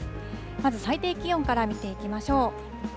まず最低気温から見ていきましょう。